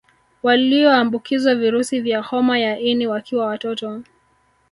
Waliombukizwa virusi vya homa ya ini wakiwa watoto